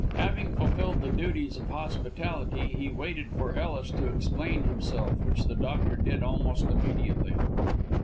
Having fulfilled the duties of hospitality, he waited for Ellis to explain himself, which the doctor did almost immediately.